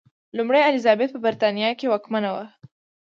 لومړۍ الیزابت په برېټانیا کې واکمنه وه.